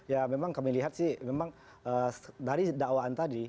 ya memang kami lihat sih memang dari dakwaan tadi